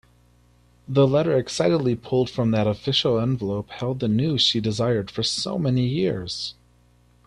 The letter excitedly pulled from that official envelope held the news she desired for so many years.